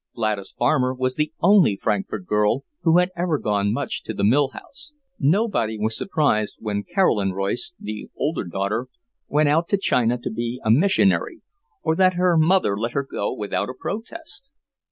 Gladys Farmer was the only Frankfort girl who had ever gone much to the mill house. Nobody was surprised when Caroline Royce, the older daughter, went out to China to be a missionary, or that her mother let her go without a protest.